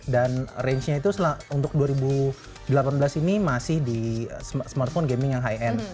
dan range nya itu untuk dua ribu delapan belas ini masih di smartphone gaming yang high end